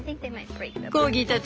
コーギーたち